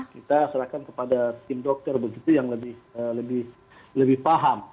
kita serahkan kepada tim dokter begitu yang lebih paham